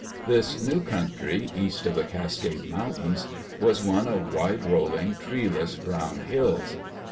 This new country, east of the Cascade Mountains, was one of wide rolling, treeless brown hills.